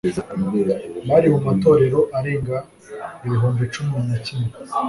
bari mu matorero arenga ibihumbi cumi nakimwe